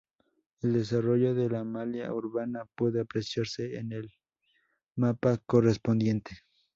El desarrollo de la malla urbana puede apreciarse en el mapa correspondiente.